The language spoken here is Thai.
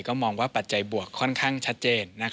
ก็มองว่าปัจจัยบวกค่อนข้างชัดเจน